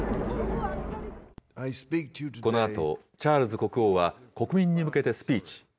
このあと、チャールズ国王は国民に向けてスピーチ。